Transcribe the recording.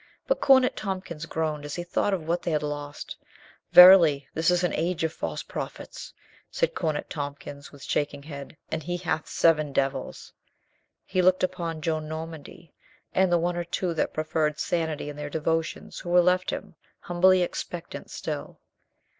But Cornet Tompkins groaned as he thought of what they had lost. "Verily, this is an age of false prophets," said Cornet Tompkins, with shaking head, "and he hath seven devils." He looked upon Joan Normandy and the one or two that preferred sanity in their devotions who were left him, humbly expectant still.